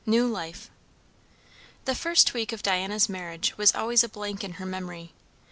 NEW LIFE. The first week of Diana's marriage was always a blank in her memory.